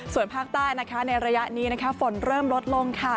ส่วนภาคใต้นะคะในระยะนี้ฝนเริ่มลดลงค่ะ